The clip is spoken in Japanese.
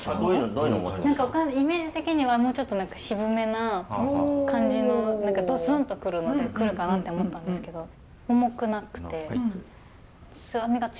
何かイメージ的にはもうちょっと渋めな感じの何かドスンと来るかなって思ったんですけど重くなくて酸味が強くてうん。